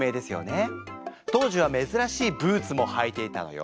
当時はめずらしいブーツもはいていたのよ。